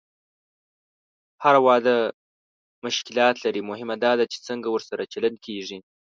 هر واده مشکلات لري، مهمه دا ده چې څنګه ورسره چلند کېږي.